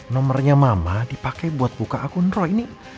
nomernya mama dipake buat buka akun roy